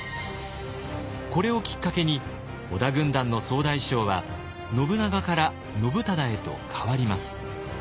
これをきっかけに織田軍団の総大将は信長から信忠へと代わります。